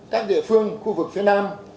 các địa phương khu vực phía nam